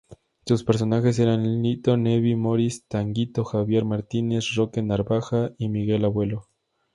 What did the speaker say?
Sus personajes eran Litto Nebbia, Moris, Tanguito, Javier Martínez, Roque Narvaja y Miguel Abuelo.